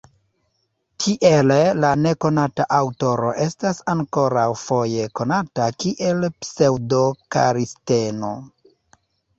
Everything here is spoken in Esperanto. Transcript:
Tiele la nekonata aŭtoro estas ankoraŭ foje konata kiel Pseŭdo-Kalisteno.